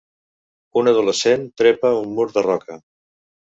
Un adolescent trepa un mur de roca.